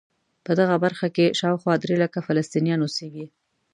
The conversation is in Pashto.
په دغه برخه کې شاوخوا درې لکه فلسطینیان اوسېږي.